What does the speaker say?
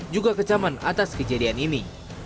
juga kecaman atas kejadian ini